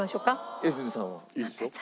良純さんは？